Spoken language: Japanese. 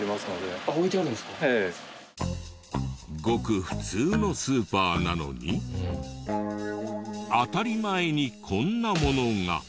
ごく普通のスーパーなのに当たり前にこんなものが。